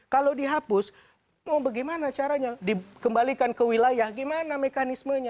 kalau dihapus mau bagaimana caranya dikembalikan ke wilayah gimana mekanismenya